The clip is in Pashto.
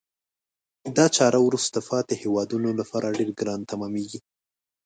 دا چاره وروسته پاتې هېوادونه لپاره ډیره ګرانه تمامیږي.